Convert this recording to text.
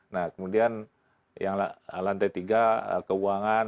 nah kemudian yang lantai tiga keuangan